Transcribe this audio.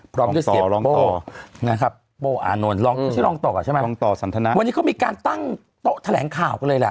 พร้อมด้วยเสียรองโป้นะครับโป้อานนท์ลองชื่อรองต่อใช่ไหมรองต่อสันทนาวันนี้เขามีการตั้งโต๊ะแถลงข่าวกันเลยล่ะ